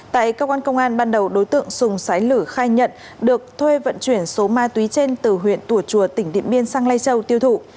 tại cơ quan công an ban đầu đối tượng sùng sái lử khai nhận được thuê vận chuyển số ma túy trên từ huyện tùa chùa tỉnh điện biên sang lây châu tiêu thụ